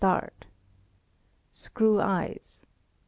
Screw eyes